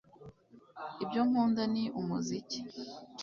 Ibyo nkunda ni umuziki